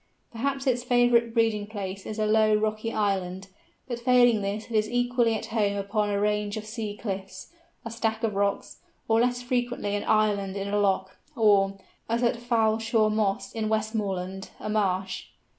Perhaps its favourite breeding place is a low rocky island, but failing this it is equally at home upon a range of sea cliffs, a stack of rocks, or less frequently an island in a loch, or, as at Foulshaw Moss in Westmoreland, a marsh.